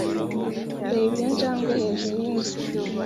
Reba iyo njangwe hejuru yinzu.